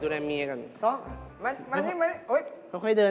ดูในเมียก่อน